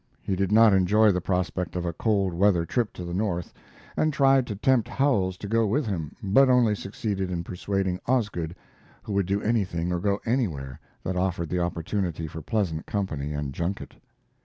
He did not enjoy the prospect of a cold weather trip to the north, and tried to tempt Howells to go with him, but only succeeded in persuading Osgood, who would do anything or go anywhere that offered the opportunity for pleasant company and junket.